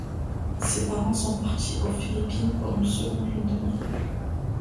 Ses parents sont partis aux Philippines pour une seconde lune de miel.